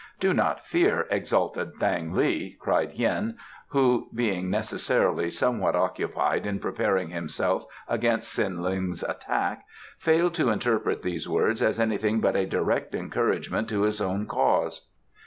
"Do not fear, exalted Thang li," cried Hien, who, being necessarily somewhat occupied in preparing himself against Tsin Lung's attack, failed to interpret these words as anything but a direct encouragement to his own cause.